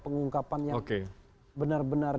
pengungkapan yang benar benar